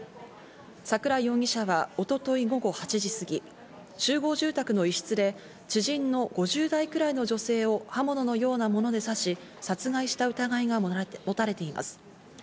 桜井容疑者は一昨日午後８時過ぎ、集合住宅の一室で知人の５０代くらいの女性を刃物のようなもので刺し、殺害した疑いが持たれています。